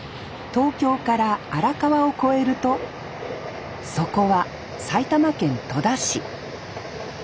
東京から荒川を越えるとそこは埼玉県戸田市。